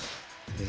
え？